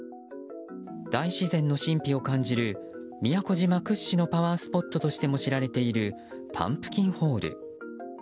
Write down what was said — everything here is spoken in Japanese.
大自然の神秘を感じる宮古島屈指のパワースポットとしても知られているパンプキンホール。